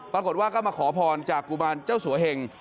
ปรากฏว่าก็มาขอพรจากกุมารเจ้าสัวเหง